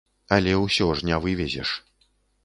Але ўсё ж не вывезеш.